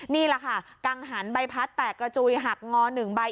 นี่แหละค่ะกังหันใบพัดแตกกระจุยหักงอ๑ใบ